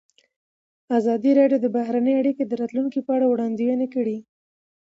ازادي راډیو د بهرنۍ اړیکې د راتلونکې په اړه وړاندوینې کړې.